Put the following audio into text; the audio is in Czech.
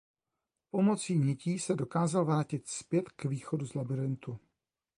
Pomocí nití se dokázal vrátit zpět k východu z labyrintu.